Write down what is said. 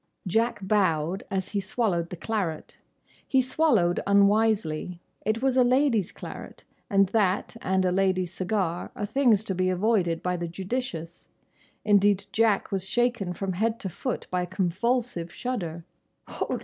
Jack bowed as he swallowed the claret. He swallowed unwisely. It was a lady's claret, and that and a lady's cigar are things to be avoided by the judicious. Indeed Jack was shaken from head to foot by a convulsive shudder.